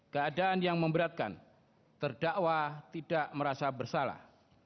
keadaan yang memberatkan terdakwa tidak merasa bersalah